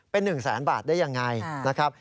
เป็น๑แสนบาทได้ยังไงนะครับ